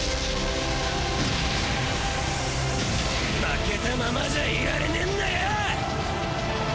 負けたままじゃいられねんだよ！！